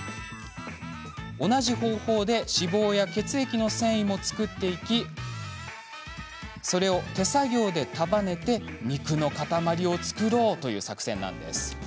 同じ方法で脂肪や血管の線維も作っていきそれを手作業で束ねて肉の塊を作ろうという作戦です。